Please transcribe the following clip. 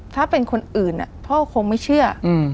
ถ้าเป็นคนอื่นพ่อคงไม่เชื่อ